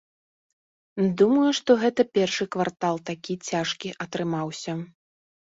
Думаю, што гэта першы квартал такі цяжкі атрымаўся.